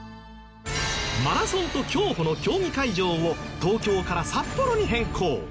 マラソンと競歩の競技会場を東京から札幌に変更。